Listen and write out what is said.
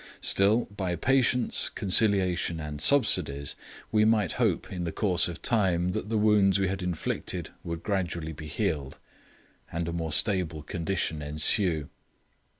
Still, by patience, conciliation, and subsidies, we might hope in the course of time that the wounds we had inflicted would gradually be healed, and a more stable condition ensue.